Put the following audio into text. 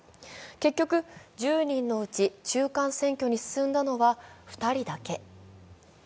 結局、１０人のうち中間選挙に進んだのは２人だけ。